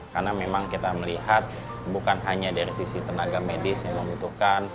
karena memang kita melihat bukan hanya dari sisi tenaga medis yang membutuhkan